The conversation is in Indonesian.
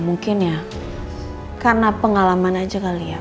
mungkin ya karena pengalaman aja kali ya